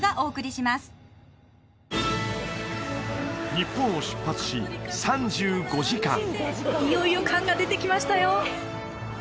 日本を出発し３５時間いよいよ感が出てきましたよ